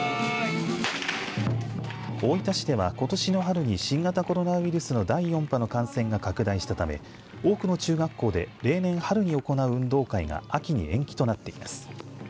大分市では、ことしの春に新型コロナウイルスの第４波の感染が拡大したため多くの中学校で例年、春に行う運動会が秋に延期となっています。